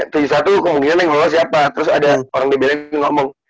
tujuh satu kemudian yang ngomong siapa terus ada orang dbl yang ngomong